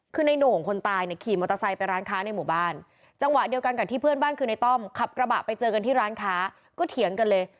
คือในโหน่งคนตายเนี่ยขี่มอเตอร์ไซค์ไปร้านค้าในหมู่บ้านจังหวะเดียวกันกับที่เพื่อนบ้านคือในต้อมขับกระบะไปเจอกันที่ร้านค้าก็เถียงกันเลย